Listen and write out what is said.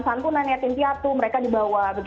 santunan etintiatu mereka dibawa